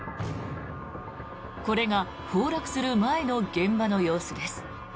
これが崩落する前の現場の様子です。